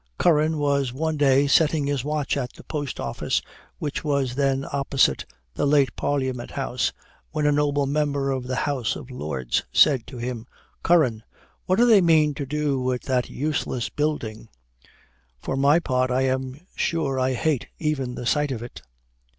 Curran was one day setting his watch at the Post Office, which was then opposite the late Parliament House, when a noble member of the House of Lords said to him, "Curran, what do they mean to do with that useless building? For my part, I am sure I hate even the sight of it."